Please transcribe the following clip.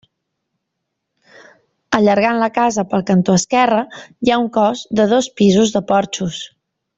Allargant la casa pel cantó esquerre hi ha un cos de dos pisos de porxos.